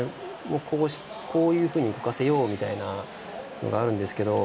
こういうふうにさせようっていうのがあるんですけど。